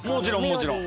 もちろん。